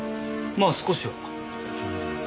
まあ少しは。